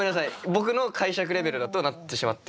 僕の解釈レベルだとなってしまってるというか。